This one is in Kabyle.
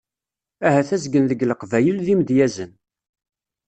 Ahat azgen deg Leqbayel d imedyazen.